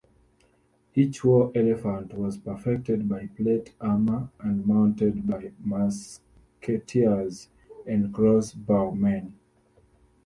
Each war elephant was protected by plate armour and mounted by musketeers and crossbowmen.